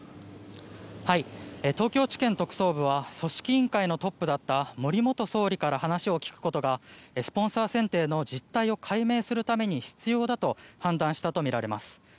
東京地検特捜部は組織委員会のトップだった森元総理から話を聞くことがスポンサー選定の実態を解明するために必要だと判断したとみられます。